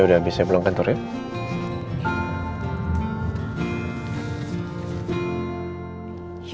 yaudah abis saya pulang kantor ya